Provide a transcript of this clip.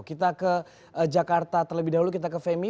kita ke jakarta terlebih dahulu kita ke femi